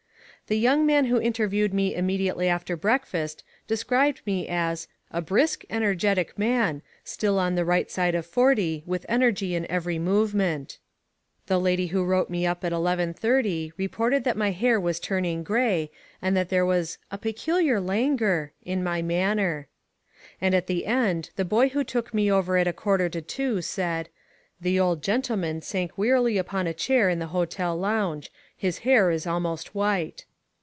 The young man who interviewed me immediately after breakfast described me as "a brisk, energetic man, still on the right side of forty, with energy in every movement." The lady who wrote me up at 11.30 reported that my hair was turning grey, and that there was "a peculiar languor" in my manner. And at the end the boy who took me over at a quarter to two said, "The old gentleman sank wearily upon a chair in the hotel lounge. His hair is almost white."